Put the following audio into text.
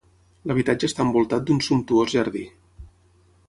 L'habitatge està envoltat d'un sumptuós jardí.